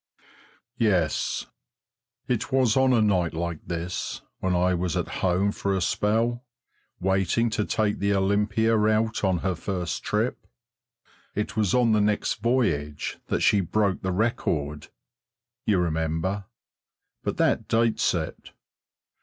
Yes, it was on a night like this, when I was at home for a spell, waiting to take the Olympia out on her first trip it was on the next voyage that she broke the record, you remember but that dates it.